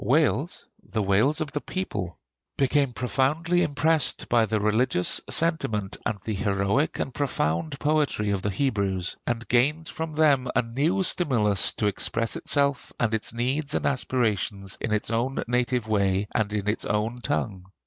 Wales the Wales of the people became profoundly impressed by the religious sentiment and the heroic and profound poetry of the Hebrews, and gained from them a new stimulus to express itself and its needs and aspirations in its own native way and in its own tongue.